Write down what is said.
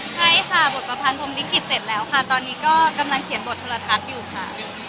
ใช่ค่ะบทประพันธ์พรมลิขิตเสร็จแล้วค่ะตอนนี้ก็กำลังเขียนบทโทรทัศน์อยู่ค่ะ